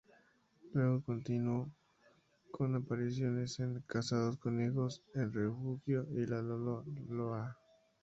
Luego continúo con apariciones en "Casados con hijos", "El refugio" y "Lalola".